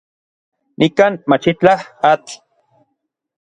Nikan machitlaj atl.